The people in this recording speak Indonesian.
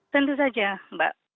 tentu saja mbak